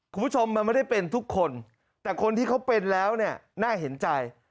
คุณผู้ชมมันไม่ได้เป็นทุกคนแต่คนที่เขาเป็นแล้วเนี่ยน่าเห็นใจ